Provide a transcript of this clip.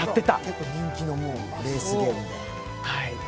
結構人気のレースゲームです。